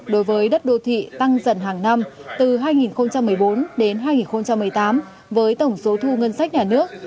đối với đất đô thị tăng dần hàng năm từ hai nghìn một mươi bốn đến hai nghìn một mươi tám với tổng số thu ngân sách nhà nước